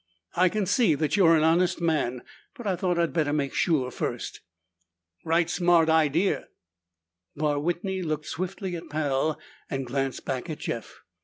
"I can see that you're an honest man. But I thought I'd better make sure first." "Right smart idea." Barr Whitney looked swiftly at Pal and glanced back at Jeff.